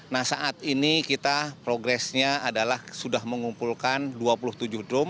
nah saat ini kita progresnya adalah sudah mengumpulkan dua puluh tujuh drum